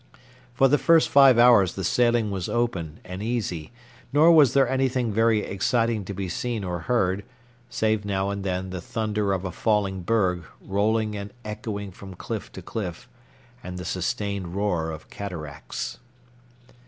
For the first five hours the sailing was open and easy, nor was there anything very exciting to be seen or heard, save now and then the thunder of a falling berg rolling and echoing from cliff to cliff, and the sustained roar of cataracts.